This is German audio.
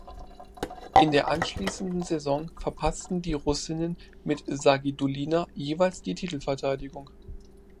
In der anschließenden Saison verpassten die Russinnen mit Sagidullina jeweils die Titelverteidigung.